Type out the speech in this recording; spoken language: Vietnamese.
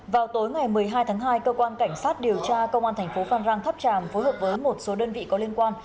vào tối ngày một mươi hai tháng hai cơ quan cảnh sát điều tra công an thành phố phan rang tháp tràm phối hợp với một số đơn vị có liên quan